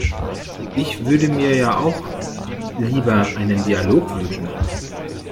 Ich würde mir ja auch lieber einen Dialog wünschen.